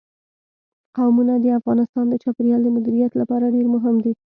قومونه د افغانستان د چاپیریال د مدیریت لپاره ډېر مهم دي.